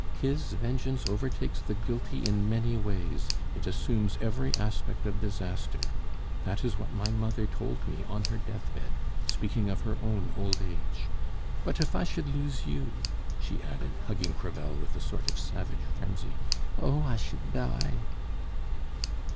His vengeance overtakes the guilty in many ways; it assumes every aspect of disaster. That is what my mother told me on her death bed, speaking of her own old age. But if I should lose you," she added, hugging Crevel with a sort of savage frenzy "oh! I should die!"